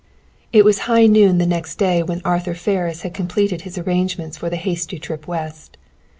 It was high noon the next day when Arthur Ferris had completed his arrangements for the hasty trip West.